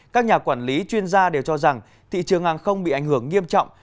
các nhà quản lý chuyên gia đều cho rằng thị trường hàng không bị ảnh hưởng nghiêm trọng